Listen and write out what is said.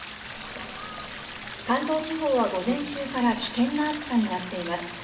関東地方は午前中から危険な暑さになっています。